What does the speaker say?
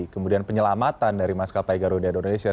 kemudian penyelamatan dari maskapai garuda indonesia